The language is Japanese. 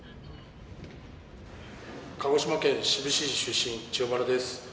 鹿児島県志布志市出身千代丸です。